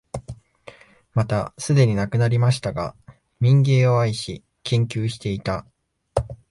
またすでに亡くなりましたが、民藝を愛し、研究していた、